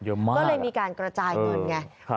ก็เลยมีการกระจายเงินไง